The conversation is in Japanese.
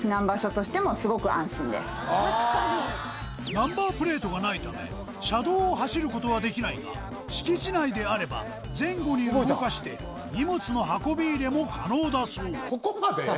ナンバープレートがないため車道を走ることはできないが敷地内であれば前後に動かして荷物の運び入れも可能だそう